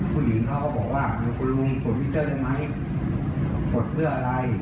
ผู้หญิงเขาก็บอกว่าหรือคุณลุงกดวิเตอร์ได้ไหมกดเพื่ออะไร